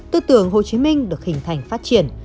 tư tưởng hồ chí minh được hình thành phát triển